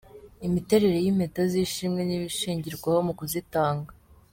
Imiterere y’impeta z’ishimwe n’ibishingirwaho mu kuzitanga .